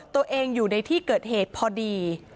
ตัวเองอยู่ในที่เกิดเหตุพอดี